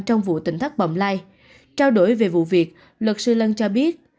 trong vụ tỉnh thác bậm lai trao đổi về vụ việc luật sư lân cho biết